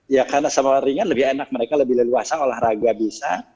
ya karena sama orang ringan lebih enak mereka lebih leluasa olahraga bisa